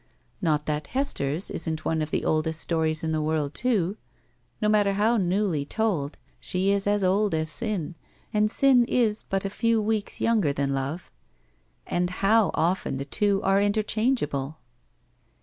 Not that Hester's isn't one of the oldest stories in the world, too. No matter how newly told, she is as old as sin, and sin is but a few weel^ younger than love — ^and how often the two are interchange able